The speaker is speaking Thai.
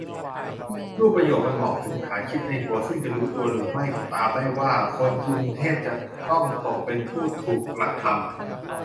รูปประโยคมันบอกถึงฐานคิดในหัวซึ่งจะรู้ตัวหรือไม่ตามได้ว่า คนกรุงเทพจะต้องตกเป็นผู้ถูกกระทำ